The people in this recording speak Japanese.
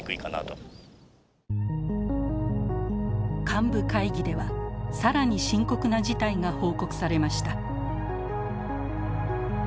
幹部会議では更に深刻な事態が報告されました。